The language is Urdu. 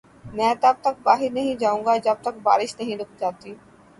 میں تب تک باہر نہیں جائو گا جب تک بارش نہیں رک جاتی۔